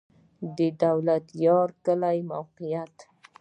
د دولتيار کلی موقعیت